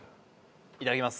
いただきます。